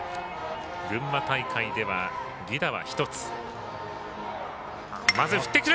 群馬大会では犠打は１つ。